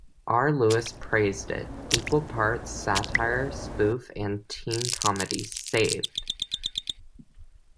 R Lewis praised it: "Equal parts satire, spoof and teen comedy, "Saved!